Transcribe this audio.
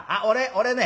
俺ね